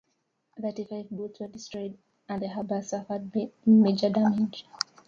Thirty-five boats were destroyed, and the harbor suffered major damage.